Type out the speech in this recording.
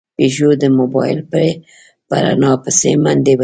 پيشو د موبايل په رڼا پسې منډې وهلې.